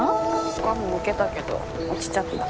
ほかも受けたけど落ちちゃった。